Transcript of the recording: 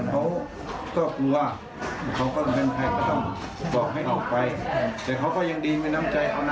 แต่เขาก็ยังดีในน้ำใจเอาน้ำให้ดื่ม